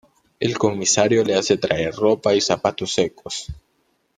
El comisario le hace traer ropa y zapatos secos.